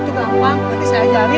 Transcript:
oh itu gampang nanti saya ajarin